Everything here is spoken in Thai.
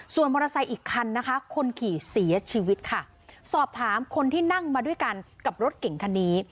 ส่วนมอเตอร์ไซค์อีกคันนะคะคนขี่เสียชีวิตค่ะสอบถามคนที่นั่งมาด้วยกันกับรถเก่งคันนี้